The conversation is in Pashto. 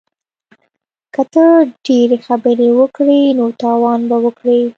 که ته ډیرې خبرې وکړې نو تاوان به وکړې